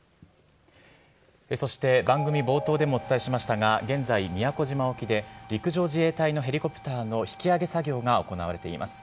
そして番組冒頭でもお伝えしましたが、現在、宮古島沖で、陸上自衛隊のヘリコプターの引き揚げ作業が行われています。